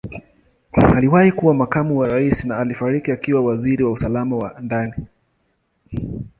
Aliwahi kuwa Makamu wa Rais na alifariki akiwa Waziri wa Usalama wa Ndani.